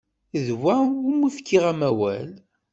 D wa umi fkiɣ amawal.